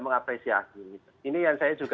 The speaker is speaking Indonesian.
mengapresiasi ini yang saya juga